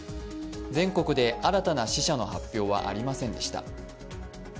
全国で新たな死者の発表はありませんでした。